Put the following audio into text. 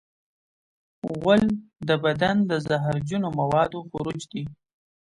غول د بدن د زهرجنو موادو خروج دی.